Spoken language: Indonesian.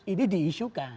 ini bukan diisukan